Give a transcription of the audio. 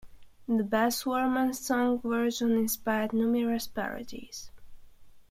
The Baz Luhrmann song version inspired numerous parodies.